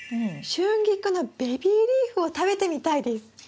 シュンギクのベビーリーフを食べてみたいです。